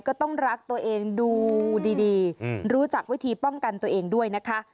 ก็ต้องรักตัวเองดูดีรู้จักวิธีป้องกันตัวเองด้วยนะคะ